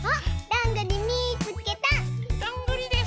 どんぐりです。